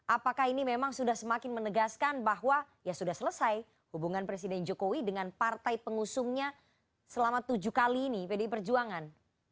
apakah ini memang sudah semakin menegaskan bahwa ya sudah selesai hubungan presiden jokowi dengan partai pengusungnya selama tujuh kali ini pdi perjuangan